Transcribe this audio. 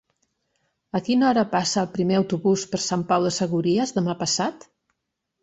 A quina hora passa el primer autobús per Sant Pau de Segúries demà passat?